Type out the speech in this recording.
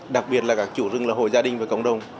đặc biệt là các chủ rừng là hội gia đình và cộng đồng